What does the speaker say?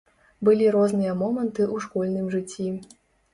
Былі розныя моманты ў школьным жыцці.